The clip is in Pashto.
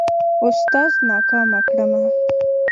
اوستاذ ناکامه کړمه.